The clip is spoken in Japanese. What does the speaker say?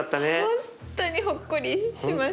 本当にほっこりしました。